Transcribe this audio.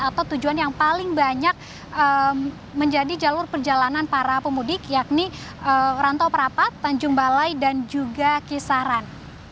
atau tujuan yang paling banyak menjadi jalur perjalanan para pemudik yakni rantau perapat tanjung balai dan juga kisaran